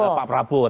trennya naik terus